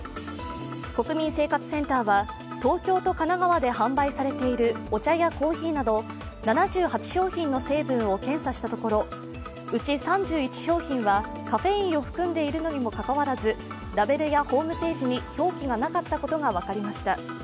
国民生活センターは東京と神奈川で販売されているお茶やコーヒーなど７８製品の成分を分析したところ、うち３１商品はカフェインを含んでいるのにもかかわらず、ラベルやホームページに表記がなかったことが分かりました。